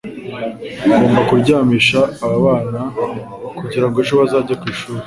Ngomba kuryamisha ababana kugira ejo bazajye kwishuri.